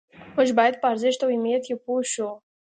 موږ باید په ارزښت او اهمیت یې پوه شو.